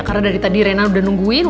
karena dari tadi rena udah nungguin